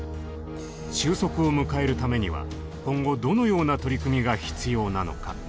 終息を迎えるためには今後どのような取り組みが必要なのか。